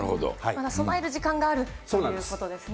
まだ備える時間があるということですね。